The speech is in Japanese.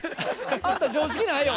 あんた常識ないよ。